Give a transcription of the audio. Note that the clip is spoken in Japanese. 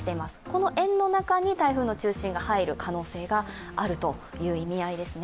この円の中に台風の中心が入る可能性があるという意味合いです。